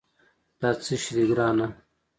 دا څه شي دي، ګرانه؟